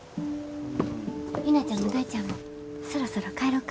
陽菜ちゃんも大ちゃんもそろそろ帰ろか。